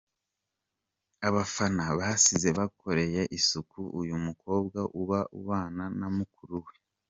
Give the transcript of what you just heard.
Abafana basize bakoreye isuku uyu mukobwa ubu ubana na mukuru we.